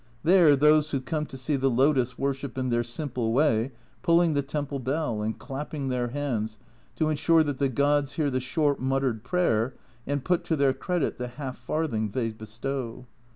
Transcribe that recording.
There those who come to see the lotus worship in their simple way, pulling the temple bell and clapping their hands to ensure that the gods hear the short muttered prayer and put to their credit the half farthings they bestow.